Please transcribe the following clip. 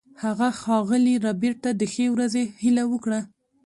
هغه ښاغلي ربیټ ته د ښې ورځې هیله وکړه